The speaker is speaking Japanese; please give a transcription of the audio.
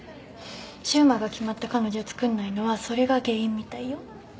柊磨が決まった彼女作んないのはそれが原因みたいよ。